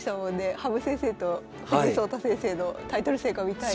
羽生先生と藤井聡太先生のタイトル戦が見たいって。